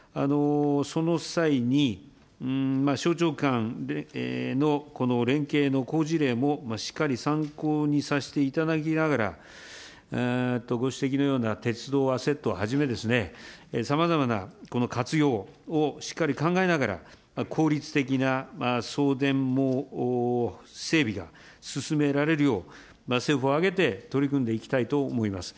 その際に、省庁間のこの連携の好事例もしっかり参考にさせていただきながら、ご指摘のような鉄道アセットをはじめ、さまざまなこの活用をしっかり考えながら、効率的な送電網整備が進められるよう、政府を挙げて取り組んでいきたいと思います。